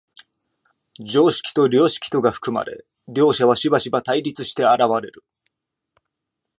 常識と良識とが含まれ、両者はしばしば対立して現れる。